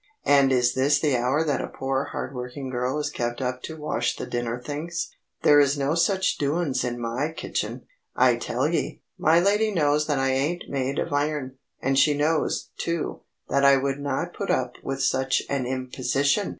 "And is this the hour that a poor hard working girl is kept up to wash the dinner things? There are no such doin's in my kitchen, I tell ye! My lady knows that I ain't made of iron, and she knows, too, that I would not put up with such an imposition!"